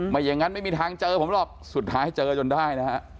อย่างนั้นไม่มีทางเจอผมหรอกสุดท้ายเจอจนได้นะฮะ